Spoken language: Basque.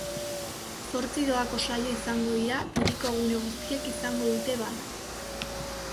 Zortzi doako saio izango dira, hiriko gune guztiek izango dute bana.